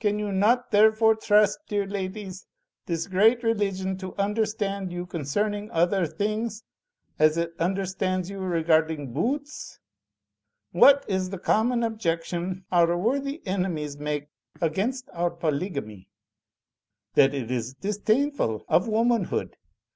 "Can you not therefore trust, dear ladies, this great religion to understand you concerning other things, as it understands you regarding boo oots? What is the common objection our worthy enemies make THE SOCIETY OF SIMPLE SOULS 83 against our polygamy? That it is disdainful of the womanhood.